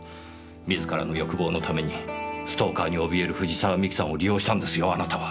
自らの欲望のためにストーカーに怯える藤沢美紀さんを利用したんですよあなたは。